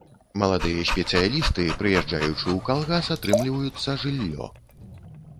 Маладыя спецыялісты, прыязджаючы ў калгас, атрымліваюцца жыллё.